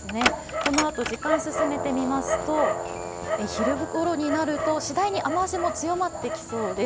このあと時間進めてみますと、昼ごろになるとしだいに雨足も強まってきそうです。